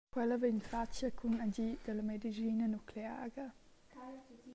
Quella vegn fatga cun agid dalla medischina nucleara.